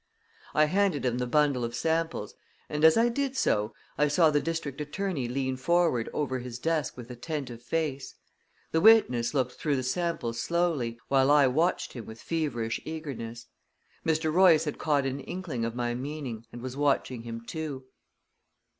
I handed him the bundle of samples, and as I did so, I saw the district attorney lean forward over his desk with attentive face. The witness looked through the samples slowly, while I watched him with feverish eagerness. Mr. Royce had caught an inkling of my meaning and was watching him, too.